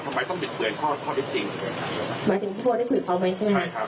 ทำไมต้องบิดเบือนข้อข้อที่จริงหมายถึงพี่โบได้คุยเขาไหมใช่ไหม